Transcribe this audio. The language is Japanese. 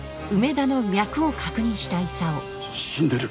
死んでる。